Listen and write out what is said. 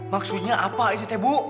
maksudnya apa itu teh bu